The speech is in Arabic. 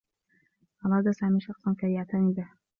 أراد سامي شخصا كي يعتني به.